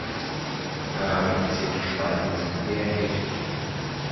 Karamellisierte Speisen sind der Hit!